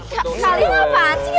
kali kapan sih